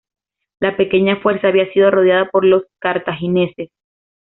La pequeña fuerza había sido rodeada por los cartagineses.